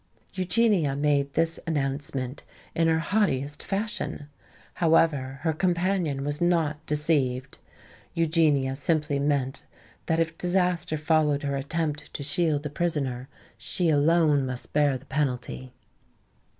Eugenia made this announcement in her haughtiest fashion. However, her companion was not deceived. Eugenia simply meant that if disaster followed her attempt to shield a prisoner, she alone must bear the penalty.